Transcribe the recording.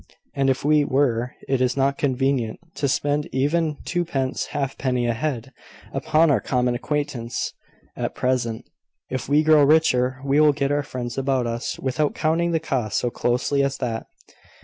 "And if we were, it is not convenient to spend even twopence halfpenny a head upon our common acquaintance at present. If we grow richer, we will get our friends about us, without counting the cost so closely as that."